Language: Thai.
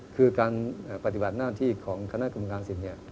คือการปฏิบัติหน้าที่ของคณะกรรมการสิทธิ์